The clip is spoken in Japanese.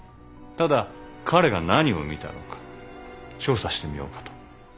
ただ彼が何を見たのか調査してみようかと。